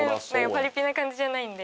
パリピな感じじゃないんで。